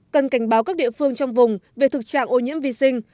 cần cảnh báo các địa phương trong vùng về thực trạng ô nhiễm vi sinh